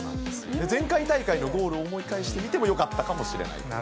前回大会のゴールを思い返してみてもよかったかもしれないと。